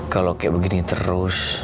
kalau kayak begini terus